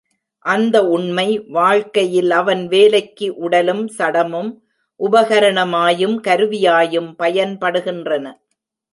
அந்த உண்மை வாழ்க்கையில் அவன் வேலைக்கு உடலும் சடமும் உபகரணமாயும் கருவியாயும் பயன்படுகின்றன.